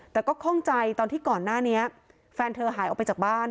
แต่ก็คล่องใจตอนที่ก่อนหน้านี้แฟนเธอหายออกไปจากบ้าน